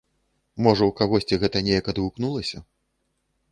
Можа, у кагосьці гэта неяк адгукнулася.